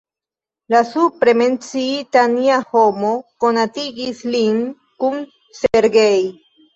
La supre menciita Nia Homo konatigis lin kun Sergej.